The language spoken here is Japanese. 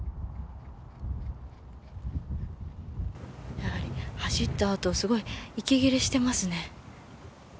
やはり、走った後すごい息切れしていますね。